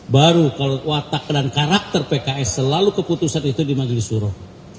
baru kalau watak dan karakter pks selalu keputusan itu dimanggil disuruh